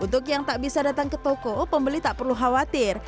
untuk yang tak bisa datang ke toko pembeli tak perlu khawatir